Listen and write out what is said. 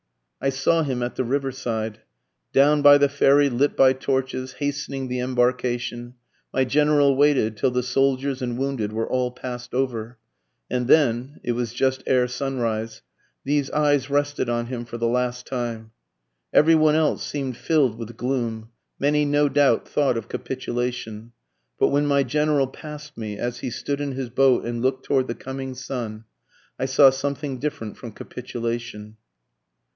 I saw him at the river side, Down by the ferry lit by torches, hastening the embarcation; My General waited till the soldiers and wounded were all pass'd over, And then, (it was just ere sunrise,) these eyes rested on him for the last time. Every one else seem'd fill'd with gloom, Many no doubt thought of capitulation. But when my General pass'd me, As he stood in his boat and look'd toward the coming sun, I saw something different from capitulation.